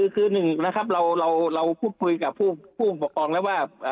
คือหนึ่งนะครับเราพูดคุยกับผู้ปกครองแล้วว่า